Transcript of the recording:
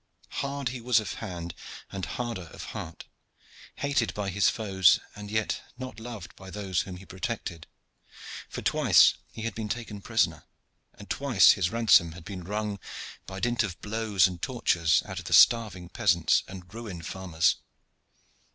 Hard he was of hand and harder of heart, hated by his foes, and yet not loved by those whom he protected, for twice he had been taken prisoner, and twice his ransom had been wrung by dint of blows and tortures out of the starving peasants and ruined farmers.